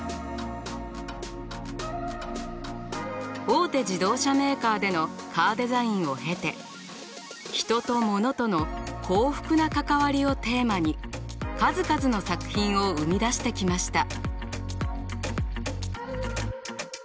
大手自動車メーカーでのカーデザインを経て人とモノとの幸福な関わりをテーマに数々の作品を生み出してきました。